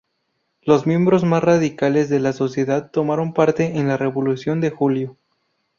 Los miembros más radicales de la sociedad tomaron parte en la revolución de julio.